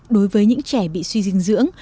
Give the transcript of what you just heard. đối với những trẻ bị suy dinh dưỡng